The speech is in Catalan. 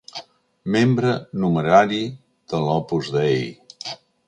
Membre numerari de l'Opus Dei.